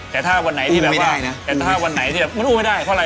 แต่ท่าวันไหนมันอู้ไม่ได้พออะไร